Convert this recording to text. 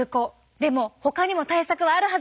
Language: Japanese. でもほかにも対策はあるはず！